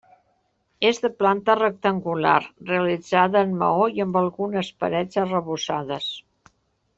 És de planta rectangular, realitzada en maó i amb algunes parets arrebossades.